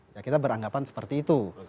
ya kita beranggapan seperti itu